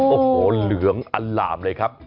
โอ้โหเหลืองอัลหลามเลยครับ